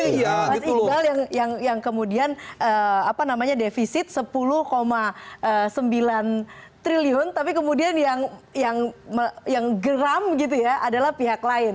tapi mas iqbal yang kemudian defisit sepuluh sembilan triliun tapi kemudian yang geram gitu ya adalah pihak lain